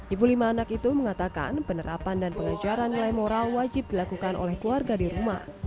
ibu lima anak itu mengatakan penerapan dan pengejaran nilai moral wajib dilakukan oleh keluarga di rumah